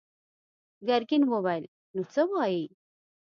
ګرګين وويل: نو څه وايې؟